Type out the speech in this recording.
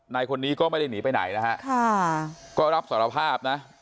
นายคนนี้ก็ไม่ได้หนีไปไหนนะฮะค่ะก็รับสารภาพนะ